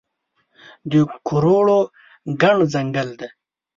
د کروړو ګڼ ځنګل دی